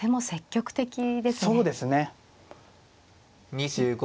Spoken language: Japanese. ２５秒。